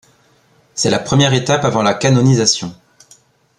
C'est la première étape avant la canonisation.